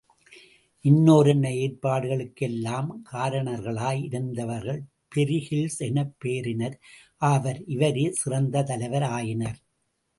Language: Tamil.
இன்னோரன்ன ஏற்பாடுகளுக் கெல்லாம், காரணர்களாய் இருந்தவர் பெரிகில்ஸ் எனப் பெயரினர் ஆவர். இவரே சிறந்த தலைவர் ஆயினர்.